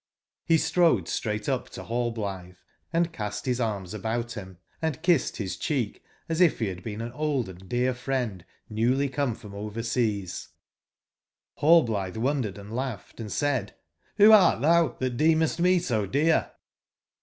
Re strode straight up to nallblithe, and cast his arms about him, and kissed his cheek, as if he had been an old and dear friend newly come from over seas jS^Rallblithe wondered and laughed, and said :'* CHho art thou that deemest me so dear